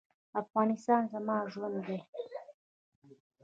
افغانستان زما ژوند دی؟